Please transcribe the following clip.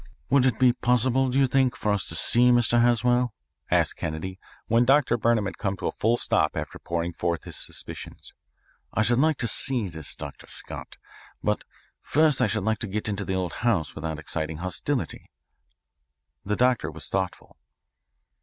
"Would it be possible, do you think, for us to see Mr. Haswell?" asked Kennedy, when Dr. Burnham had come to a full stop after pouring forth his suspicions. "I should like to see this Dr. Scott. But first I should like to get into the old house without exciting hostility." The doctor was thoughtful.